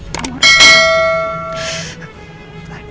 kamu harus tenang